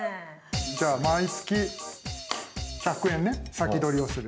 じゃあ毎月１００円ね先取りをする。